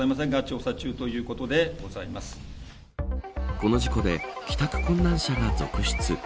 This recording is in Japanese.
この事故で帰宅困難者が続出。